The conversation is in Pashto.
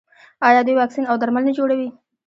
آیا دوی واکسین او درمل نه جوړوي؟